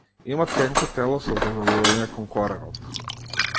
Има тенко тело со задебелување кон коренот.